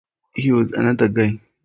He was another guy.